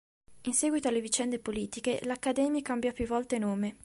In seguito alle vicende politiche l'Accademia cambiò più volte nome.